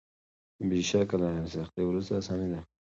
بېشکه له هري سختۍ وروسته آساني راځي.